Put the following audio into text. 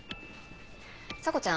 査子ちゃん。